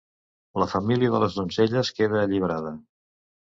La família de les donzelles queda alliberada.